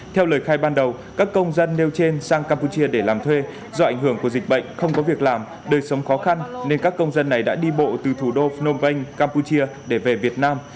theo lời khai ban đầu các công dân nêu trên sang campuchia để làm thuê do ảnh hưởng của dịch bệnh không có việc làm đời sống khó khăn nên các công dân này đã đi bộ từ thủ đô phnom penh campuchia để về việt nam